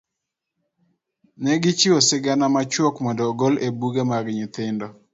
Ne gichiwo sigana machuok mondo ogol e buge mag nyithindo.